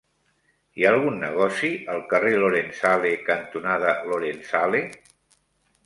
Hi ha algun negoci al carrer Lorenzale cantonada Lorenzale?